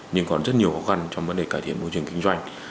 nhưng còn rất nhiều khó khăn trong vấn đề cải thiện môi trường kinh doanh